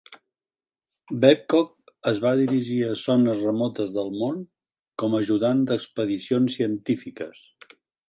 Babcock es va dirigir a zones remotes del món com a ajudant d'expedicions científiques.